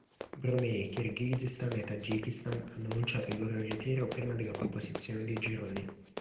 Brunei, Kirghizistan e Tagikistan hanno annunciato il loro ritiro prima della composizione dei gironi.